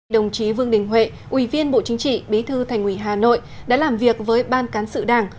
đồng chí vương đình huệ ủy viên bộ chính trị bí thư thành ủy hà nội đã làm việc với ban cán sự đảng